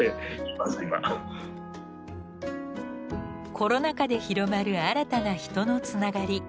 コロナ禍で広まる新たな人のつながり。